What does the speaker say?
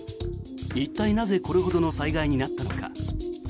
一体なぜこれほどの災害になったのか。